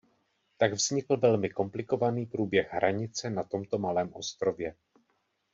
Tak vznikl velmi komplikovaný průběh hranice na tomto malém ostrově.